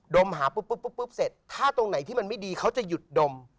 มหาปุ๊บเสร็จถ้าตรงไหนที่มันไม่ดีเขาจะหยุดดม